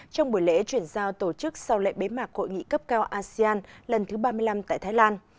trong buổi lễ chuyển giao tổ chức sau lệ bế mạc hội nghị cấp cao asean lần thứ ba mươi năm tại thái lan